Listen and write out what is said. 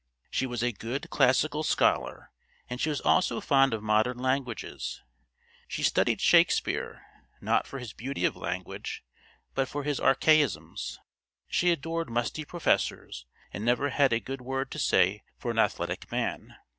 She was a good classical scholar, and was also fond of modern languages. She studied Shakespeare, not for his beauty of language, but for his archaisms. She adored musty professors, and never had a good word to say for an athletic man.